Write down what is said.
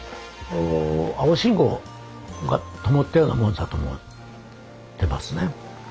青信号がともったようなものだと思ってますね。